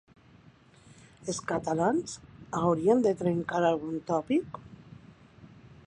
Els catalans hauríem de trencar algun tòpic?